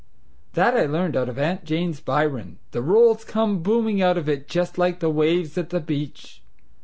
that I learned out of Aunt Jane's Byron; the rolls come booming out of it just like the waves at the beach....